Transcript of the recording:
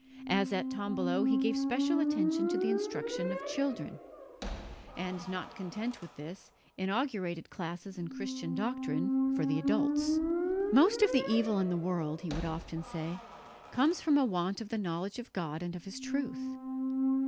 As at Tombolo, he gave special attention to the instruction of children; and, not content with this, inaugurated classes in Christian doctrine for the adults. "Most of the evil in the world," he would often say, "comes from a want of the knowledge of God and of His truth."